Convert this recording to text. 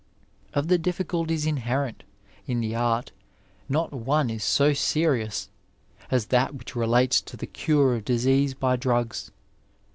Of the difficulties inherent in the art not one is so serious as tiiis which relates to the cure of disease by drags.